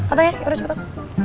katanya yaudah cepetan